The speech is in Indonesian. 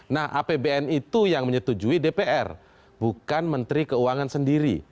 nah apbn itu yang menyetujui dpr bukan menteri keuangan sendiri